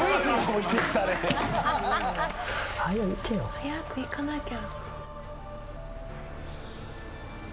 早く行かなきゃ。